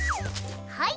はい。